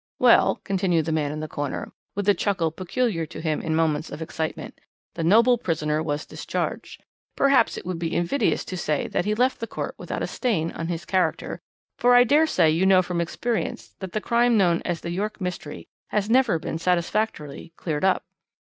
"Well," continued the man in the corner, with the chuckle peculiar to him in moments of excitement, "the noble prisoner was discharged. Perhaps it would be invidious to say that he left the court without a stain on his character, for I daresay you know from experience that the crime known as the York Mystery has never been satisfactorily cleared up.